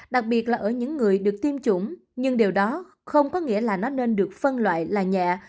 đặc biệt là ở những người được tiêm chủng nhưng điều đó không có nghĩa là nó nên được phân loại là nhẹ